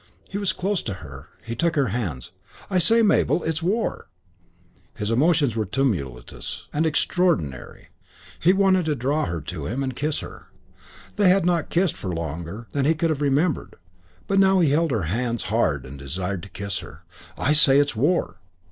He was close to her. He took her hands. "I say, Mabel, it's war." His emotions were tumultuous and extraordinary. He wanted to draw her to him and kiss her. They had not kissed for longer than he could have remembered; but now he held her hands hard and desired to kiss her. "I say, it's war."